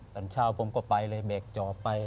ตอนเช้าผมก็ไปเลยแบกจอบไป